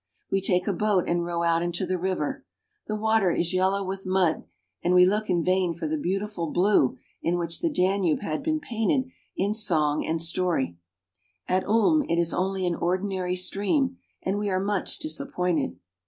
We take a boat and row out into the river. The water is yellow with mud, FROM ULM TO VIENNA. 273 and we look in vain for the beautiful blue in which the Danube has been painted in song and story. At Ulm it is only an ordinary stream, and we are much disappointed.